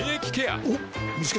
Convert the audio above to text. おっ見つけた。